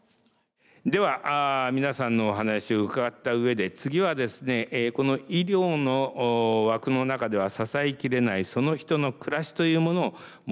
では皆さんのお話を伺った上で次はですねこの医療の枠の中では支えきれないその人の暮らしというものをもう少し見ていきたいと思います。